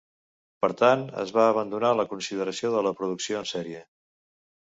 Per tant, es va abandonar la consideració de la producció en sèrie.